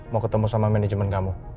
mau ketemu sama manajemen kamu